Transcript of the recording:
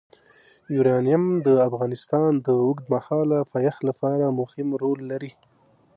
یورانیم د افغانستان د اوږدمهاله پایښت لپاره مهم رول لري.